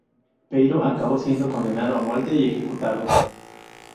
Peiró acabó siendo condenado a muerte y ejecutado.